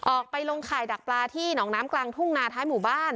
ออกไปลงข่ายดักปลาที่หนองน้ำกลางทุ่งนาท้ายหมู่บ้าน